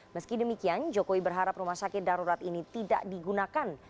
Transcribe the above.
meski demikian jokowi berharap rumah sakit darurat ini tidak digunakan